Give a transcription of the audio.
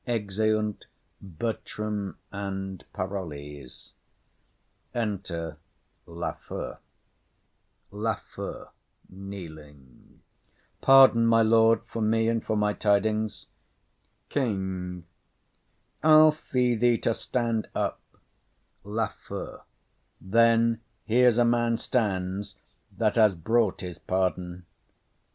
[Exeunt Bertram and Parolles.] Enter Lafew. LAFEW. Pardon, my lord [kneeling], for me and for my tidings. KING. I'll fee thee to stand up. LAFEW. Then here's a man stands that has brought his pardon.